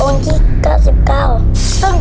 มีไม่ทุกอย่าง